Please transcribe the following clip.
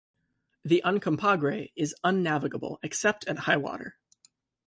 The Uncompahgre is unnavigable except at high water.